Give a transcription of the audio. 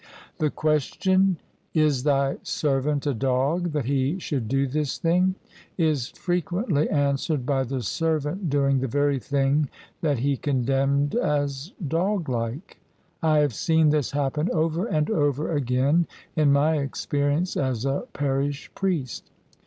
The question, * Is thy servant a dog, that he should do this thing?' is frequently answered by the servant doing the very thing that he condemned as dog like. I have seen this happen over and over again in my experience as a parish priest.